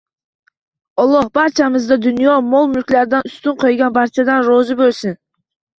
Alloh barchamizdan, dunyo mol-mulklaridan ustun qo`ygan barchadan rozi bo`lsin…